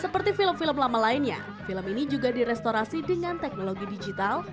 seperti film film lama lainnya film ini juga direstorasi dengan teknologi digital